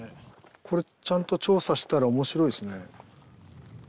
これちゃんと調査したら面白いですね。